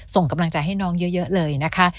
ส่งกำลังใจให้น้องเยอะเลยนะคะ